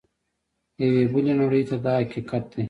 یوې بلې نړۍ ته دا حقیقت دی.